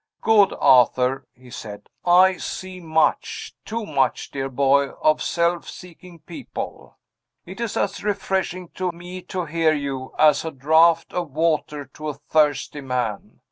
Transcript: "Good Arthur!" he said. "I see much too much, dear boy of self seeking people. It is as refreshing to me to hear you, as a draught of water to a thirsty man.